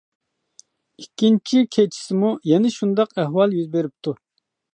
ئىككىنچى كېچىسىمۇ يەنە شۇنداق ئەھۋال يۈز بېرىپتۇ.